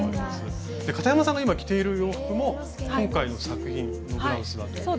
かたやまさんが今着ている洋服も今回の作品のブラウスだという。